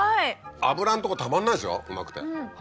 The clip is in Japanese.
脂のとこたまんないでしょうまくて。